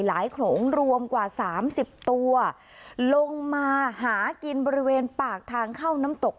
โขลงรวมกว่าสามสิบตัวลงมาหากินบริเวณปากทางเข้าน้ำตก